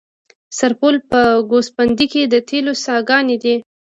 د سرپل په ګوسفندي کې د تیلو څاګانې دي.